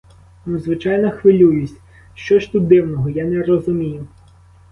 Ну, звичайно, хвилююсь, що ж тут дивного, я не розумію.